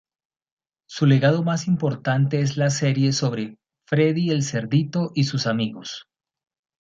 Su legado más importante es la serie sobre Freddy el cerdito y sus amigos.